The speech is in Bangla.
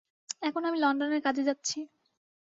এখন আমি লণ্ডনের কাজে যাচ্ছি।